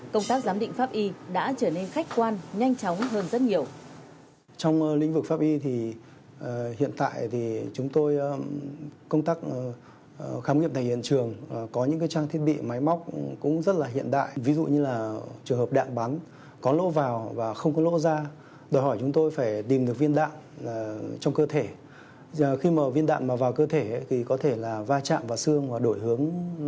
công tác giám định pháp y đã trở nên khách quan